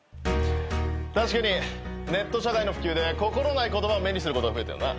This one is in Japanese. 確かにネット社会の普及で心ない言葉を目にすることが増えたよな。